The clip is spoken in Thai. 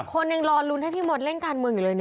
คนยังรอลุ้นให้พี่มดเล่นการเมืองอยู่เลย